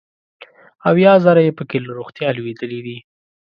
اویا زره یې پکې له روغتیا لوېدلي دي.